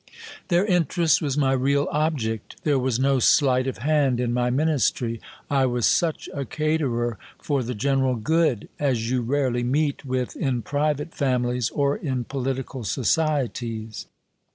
Then interest was my real object : there was no slight of hand in my ministry ; I was such a caterer for the general good, as you rarely meet with in private families or in political societies.